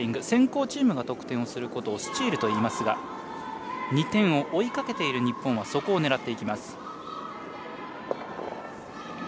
先攻チームが得点をすることをスチールといいますが２点を追いかけている日本はそこを狙っていきます。